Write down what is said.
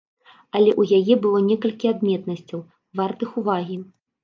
Але ў яе было некалькі адметнасцяў, вартых увагі.